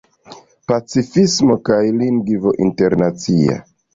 Pacifismo kaj Lingvo Internacia.